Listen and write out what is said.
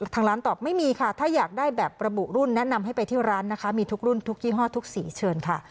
ทางร้านตอบไม่มีค่ะถ้าอยากได้แบบระบุรุ่นแนะนำให้ไปที่ร้านนะคะมีทุกรุ่นทุกยี่ห้อทุกสีเชิญค่ะ